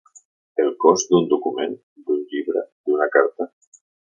El cos d'un document, d'un llibre, d'una carta.